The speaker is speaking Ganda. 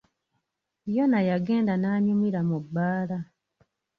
Yona yagenda n'anyumira mu bbaala.